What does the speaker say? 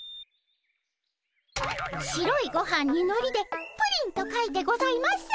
白いごはんにのりで「プリン」と書いてございます。